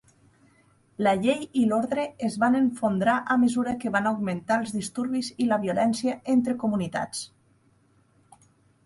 La llei i l'ordre es van esfondrar a mesura que van augmentar els disturbis i la violència entre comunitats.